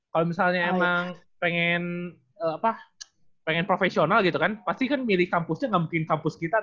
kalo misalnya emang pengen profesional gitu kan pasti kan milih kampusnya ga mungkin kampus kita dong